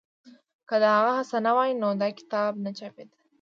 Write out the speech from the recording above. که د هغه هڅه نه وای نو دا کتاب نه چاپېده.